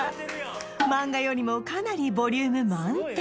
マンガよりもかなりボリューム満点！